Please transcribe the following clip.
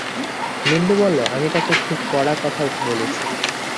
বিনু বলল, আমি তাঁকে খুব কড়া-কড়া কথা বলেছি।